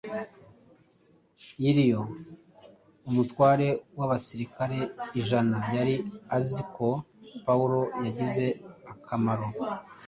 Yuliyo, umutware w’abasirikare ijana, yari azi ko Pawulo yagize akamaro